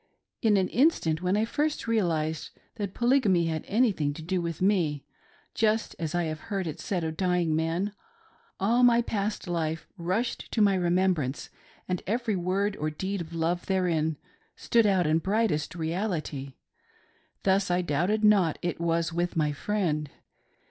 In an instant, when I first realised that Polygamy had anything to do with me, just as I have heard it said of dying men, all my past life rushed to my remembrance, and every word or deed of love therein, stood out in brightest reality. Thus I doubted not it was with my friend.